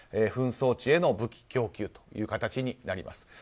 紛争地への武器供給という形になります。